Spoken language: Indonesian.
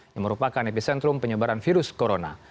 yang merupakan epicentrum penyebaran virus corona